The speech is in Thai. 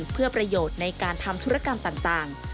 เพื่อประโยชน์ในการทำธุรกรรมต่าง